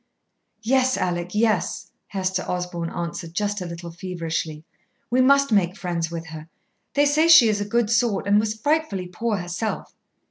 "Yes, Alec, yes," Hester Osborn answered, just a little feverishly. "We must make friends with her. They say she is a good sort and was frightfully poor herself."